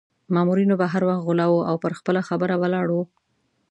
مامورینو به هر وخت غولاوه او پر خپله خبره ولاړ وو.